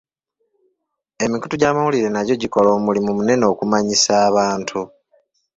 Emikutu gy'amawulire nagyo gikola omulimu munene okumanyisa abantu.